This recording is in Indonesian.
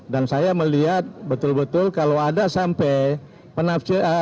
dan saya melihat betul betul kalau ada sampai